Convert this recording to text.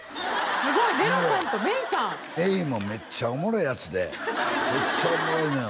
すごいネロさんとメイさんメイもめっちゃおもろいヤツでごっつおもろいのよ